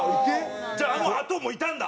じゃああのあともいたんだ？